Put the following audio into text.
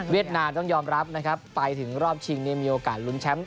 นามต้องยอมรับนะครับไปถึงรอบชิงเนี่ยมีโอกาสลุ้นแชมป์